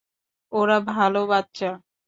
ওরা ভালো বাচ্চা।